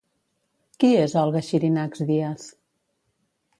Qui és Olga Xirinacs Díaz?